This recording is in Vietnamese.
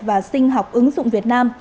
và sinh học ứng dụng việt nam